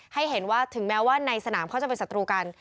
ให้เห็นว่าถึงแม้ว่าในสนามเขาจะเป็นศัตรูกัน